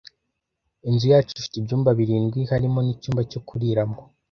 Inzu yacu ifite ibyumba birindwi harimo nicyumba cyo kuriramo.